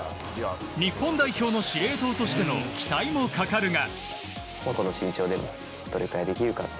日本代表の司令塔としての期待もかかるが。